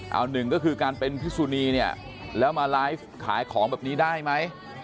เอาหนึ่งก็คือการเป็นพิสุนีเนี่ยแล้วมาไลฟ์ขายของแบบนี้ได้ไหม